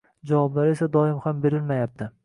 Javoblar esa doim ham berilmayapti.